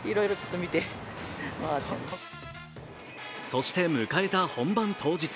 そして迎えた本番当日。